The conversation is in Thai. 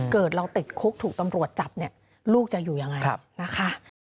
เกิดเราติดคุกถูกตำรวจจับลูกจะอยู่อย่างไร